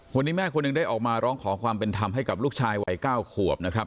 วันนี้แม่คนหนึ่งได้ออกมาร้องขอความเป็นธรรมให้กับลูกชายวัย๙ขวบนะครับ